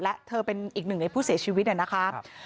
และเธอเป็นอีกหนึ่งในผู้เสียชีวิตนะครับ